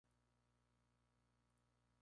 ¿vivió?